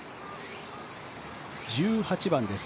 １８番です。